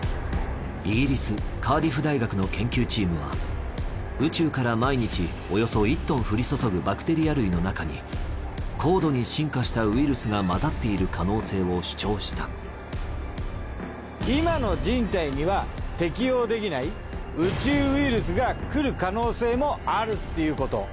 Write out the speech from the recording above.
イギリスカーディフ大学の研究チームは宇宙から毎日およそ１トン降り注ぐバクテリア類の中に高度に進化したウイルスが混ざっている可能性を主張した今の人体には適応できない宇宙ウイルスがくる可能性もあるっていうこと。